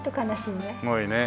すごいね。